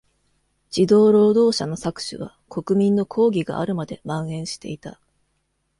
児童労働者の搾取は国民の抗議があるまで蔓延していた。